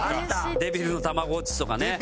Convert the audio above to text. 「デビルのたまごっち」とかね。